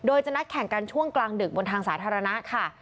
โดยจะนัดแข่งกันช่วงกลางดึกบนทางสาธารณะค่ะ